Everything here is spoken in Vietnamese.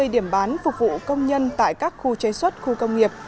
hai mươi điểm bán phục vụ công nhân tại các khu chế xuất khu công nghiệp